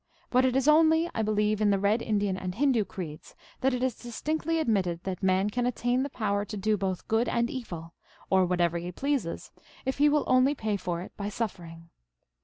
But it is only, I believe, in the red Indian and Hindoo creeds that it is distinctly ad mitted that man can attain the power to do both good and evil, or whatever he pleases, if he will only pay for it by suffering.